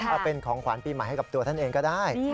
เอาเป็นของขวัญปีใหม่ให้กับตัวท่านเองก็ได้